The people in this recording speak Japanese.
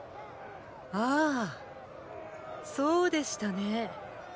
ああそうでしたね。